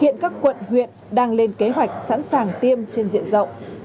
hiện các quận huyện đang lên kế hoạch sẵn sàng tiêm trên diện rộng